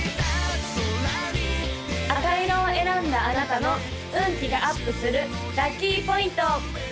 赤色を選んだあなたの運気がアップするラッキーポイント！